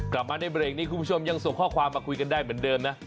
กลับมาในเบรกนี้คุณผู้ชมยังส่งข้อความมาคุยกันได้เหมือนเดิมนะ